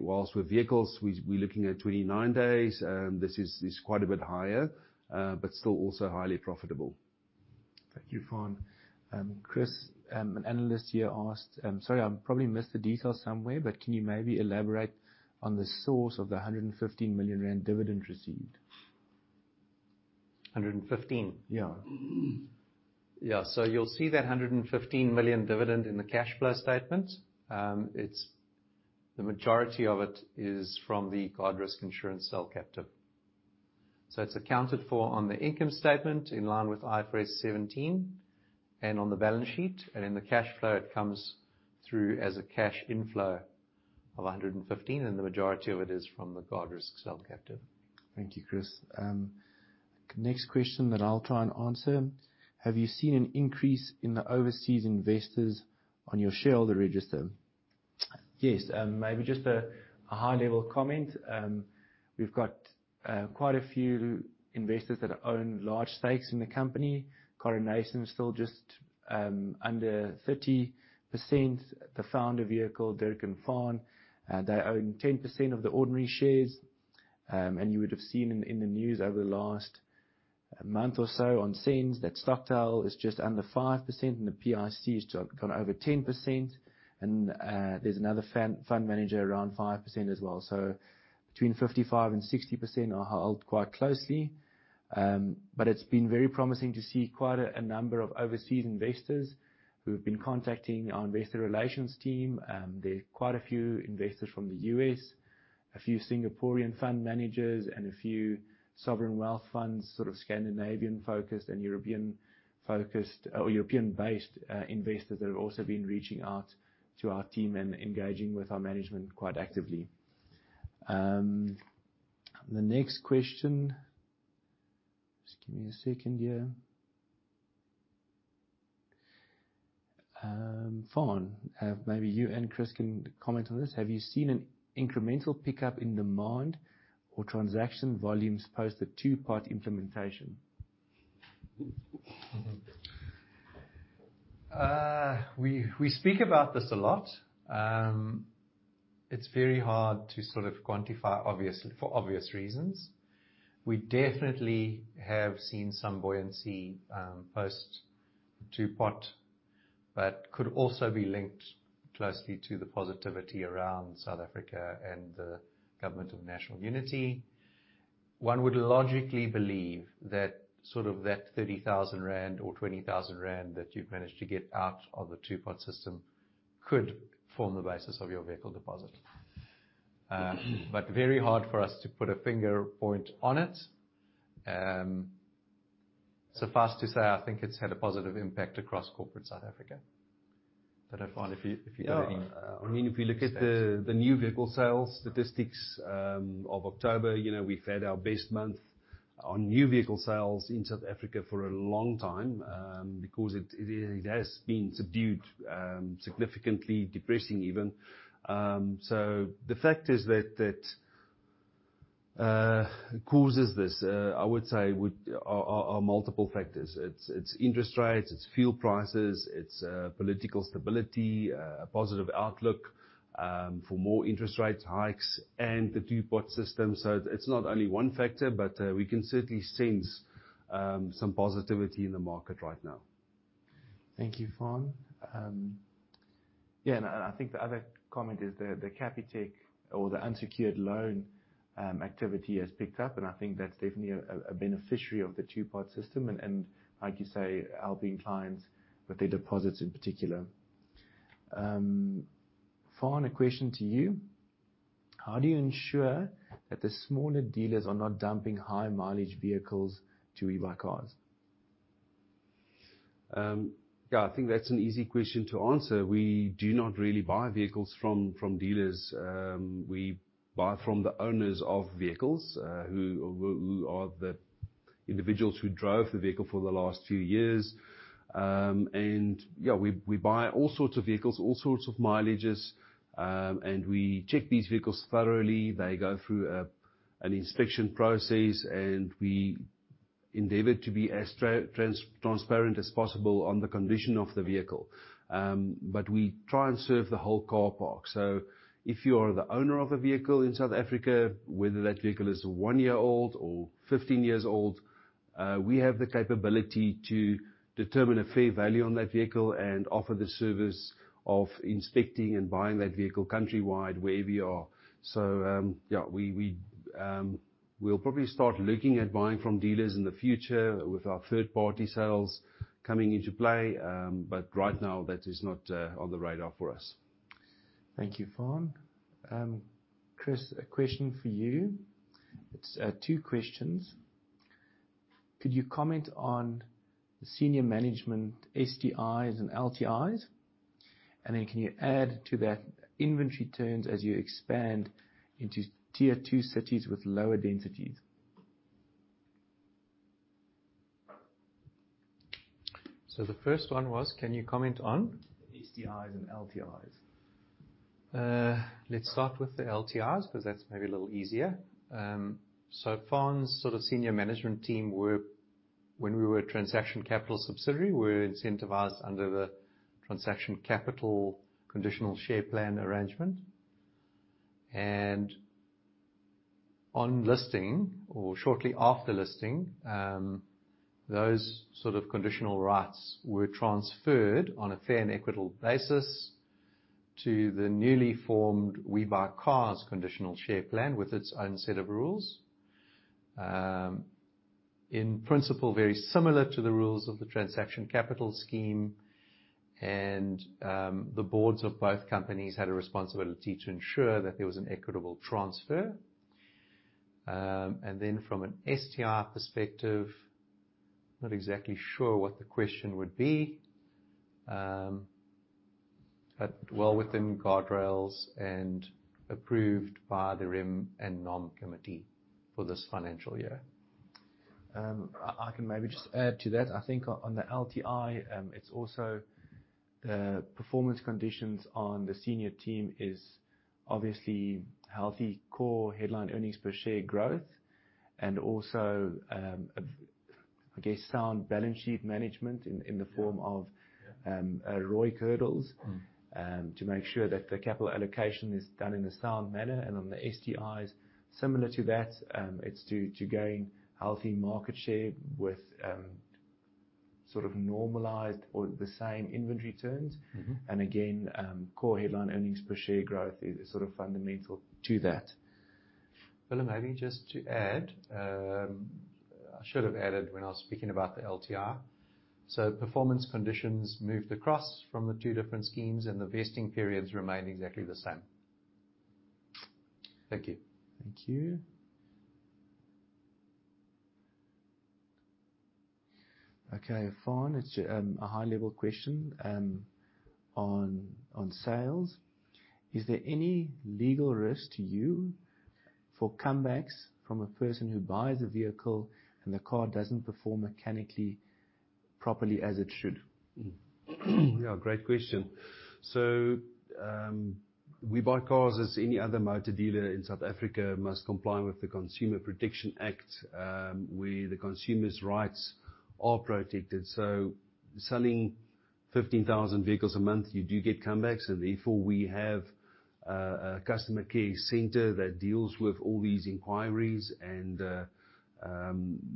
while with vehicles, we're looking at 29 days. This is quite a bit higher, but still also highly profitable. Thank you, Faan. Chris, an analyst here asked, sorry, I probably missed the details somewhere, but can you maybe elaborate on the source of the 115 million rand dividend received? 115? Yeah. Yeah. So you'll see that 115 million dividend in the cash flow statement. The majority of it is from the Guardrisk insurance cell captive. So it's accounted for on the income statement in line with IFRS 17 and on the balance sheet, and in the cash flow, it comes through as a cash inflow of 115, and the majority of it is from the Guardrisk cell captive. Thank you, Chris. Next question that I'll try and answer. Have you seen an increase in the overseas investors on your shareholder register? Yes. Maybe just a high-level comment. We've got quite a few investors that own large stakes in the company. Coronation is still just under 30%. The founder vehicle, Dirk and Faan, they own 10% of the ordinary shares, and you would have seen in the news over the last month or so on SENS that Stockdale Street is just under 5%, and the PIC has gone over 10%. And there's another fund manager around 5% as well. Between 55% and 60% are held quite closely. But it's been very promising to see quite a number of overseas investors who have been contacting our investor relations team. There are quite a few investors from the U.S., a few Singaporean fund managers, and a few sovereign wealth funds, sort of Scandinavian-focused and European-focused or European-based investors that have also been reaching out to our team and engaging with our management quite actively. The next question, just give me a second here. Faan, maybe you and Chris can comment on this. Have you seen an incremental pickup in demand or transaction volumes post the Two-Pot implementation? We speak about this a lot. It's very hard to sort of quantify for obvious reasons. We definitely have seen some buoyancy post Two-Pot, but could also be linked closely to the positivity around South Africa and the government of national unity. One would logically believe that sort of that 30,000 rand or 20,000 rand that you've managed to get out of the Two-Pot system could form the basis of your vehicle deposit, but very hard for us to put a finger point on it, so fast to say. I think it's had a positive impact across corporate South Africa. Faan, if you got any? I mean, if you look at the new vehicle sales statistics of October, we've had our best month on new vehicle sales in South Africa for a long time because it has been subdued significantly, depressing even. The factors that causes this, I would say, are multiple factors. It's interest rates, it's fuel prices, it's political stability, a positive outlook for more interest rate hikes, and the Two-Pot system. So it's not only one factor, but we can certainly sense some positivity in the market right now. Thank you, Faan. Yeah. And I think the other comment is the Capitec or the unsecured loan activity has picked up, and I think that's definitely a beneficiary of the Two-Pot system and, like you say, helping clients with their deposits in particular. Faan, a question to you. How do you ensure that the smaller dealers are not dumping high-mileage vehicles to WeBuyCars? Yeah, I think that's an easy question to answer. We do not really buy vehicles from dealers. We buy from the owners of vehicles who are the individuals who drove the vehicle for the last few years. And yeah, we buy all sorts of vehicles, all sorts of mileages, and we check these vehicles thoroughly. They go through an inspection process, and we endeavor to be as transparent as possible on the condition of the vehicle. But we try and serve the whole car park. So if you are the owner of a vehicle in South Africa, whether that vehicle is one year old or 15 years old, we have the capability to determine a fair value on that vehicle and offer the service of inspecting and buying that vehicle countrywide wherever you are. So yeah, we'll probably start looking at buying from dealers in the future with our third-party sales coming into play. But right now, that is not on the radar for us. Thank you, Faan. Chris, a question for you. It's two questions. Could you comment on the senior management STIs and LTIs? And then can you add to that inventory turns as you expand into tier two cities with lower densities? So the first one was, can you comment on STIs and LTIs? Let's start with the LTIs because that's maybe a little easier. So Faan's sort of senior management team, when we were a Transaction Capital subsidiary, were incentivized under the Transaction Capital conditional share plan arrangement. And on listing or shortly after listing, those sort of conditional rights were transferred on a fair and equitable basis to the newly formed WeBuyCars conditional share plan with its own set of rules. In principle, very similar to the rules of the Transaction Capital scheme, and the boards of both companies had a responsibility to ensure that there was an equitable transfer. And then from an STI perspective, not exactly sure what the question would be, but well within guardrails and approved by the REM and NOM committee for this financial year. I can maybe just add to that. I think on the LTI, it's also the performance conditions on the senior team is obviously healthy Core Headline Earnings per share growth and also, I guess, sound balance sheet management in the form of ROIC hurdles to make sure that the capital allocation is done in a sound manner, and on the STIs, similar to that, it's to gain healthy market share with sort of normalized or the same inventory turns, and again, core headline earnings per share growth is sort of fundamental to that. Willem, maybe just to add, I should have added when I was speaking about the LTI, so performance conditions moved across from the two different schemes, and the vesting periods remained exactly the same. Thank you. Thank you. Okay, Faan, a high-level question on sales. Is there any legal risk to you for comebacks from a person who buys a vehicle and the car doesn't perform mechanically properly as it should? Yeah, great question. So we buy cars as any other motor dealer in South Africa must comply with the Consumer Protection Act, where the consumer's rights are protected. So selling 15,000 vehicles a month, you do get comebacks. And therefore, we have a customer care center that deals with all these inquiries and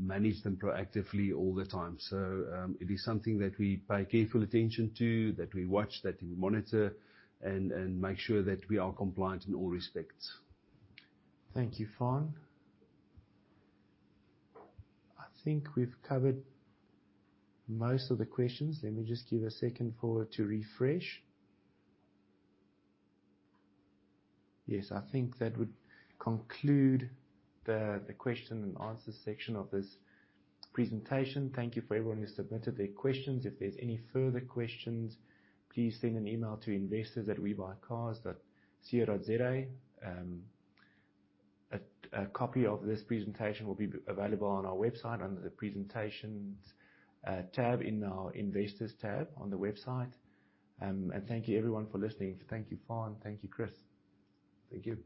manages them proactively all the time. So it is something that we pay careful attention to, that we watch, that we monitor, and make sure that we are compliant in all respects. Thank you, Faan. I think we've covered most of the questions. Let me just give a second forward to refresh. Yes, I think that would conclude the question and answer section of this presentation. Thank you for everyone who submitted their questions. If there's any further questions, please send an email to investors@webuycars.co.za. A copy of this presentation will be available on our website under the presentations tab in our investors tab on the website, and thank you, everyone, for listening. Thank you, Faan. Thank you, Chris. Thank you.